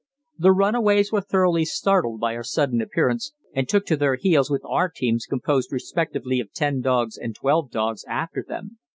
The runaways were thoroughly startled by our sudden appearance, and took to their heels, with our teams, composed respectively of ten dogs and twelve dogs, after them.